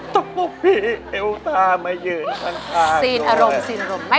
ตบพี่เอวตามายืนข้างอยู่เลย